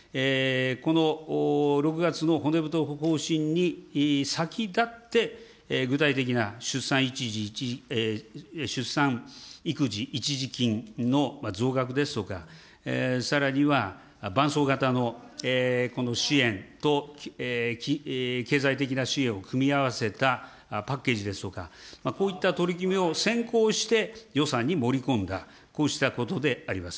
この６月の骨太方針に先立って、具体的な出産育児一時金の増額ですとか、さらには伴走型の支援と、経済的な支援を組み合わせたパッケージですとか、こういった取り組みを先行して、予算に盛り込んだ、こうしたことであります。